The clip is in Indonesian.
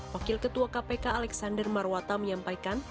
wakil ketua kpk alexander marwata menyampaikan